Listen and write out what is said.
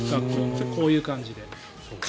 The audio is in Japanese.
こういう感じで。